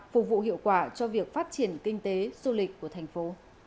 kết quả cho việc phát triển kinh tế du lịch của thành phố